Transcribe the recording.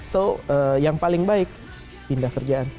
so yang paling baik pindah kerjaan